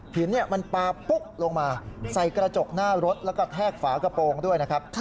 หินมันปลาปุ๊กลงมาใส่กระจกหน้ารถแล้วก็แทกฝากระโปรงด้วยนะครับ